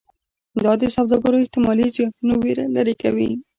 دا د سوداګرو احتمالي زیانونو ویره لرې کوي.